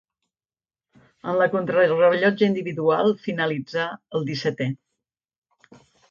En la contrarellotge individual finalitzà el dissetè.